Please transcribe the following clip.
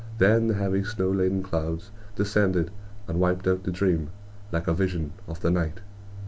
then the heavy snow laden clouds descended and wiped out the dream like a vision of the night.